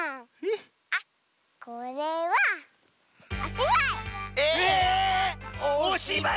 あっこれはおしばい！